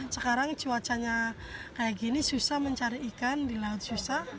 sekarang cuacanya kayak gini susah mencari ikan di laut susah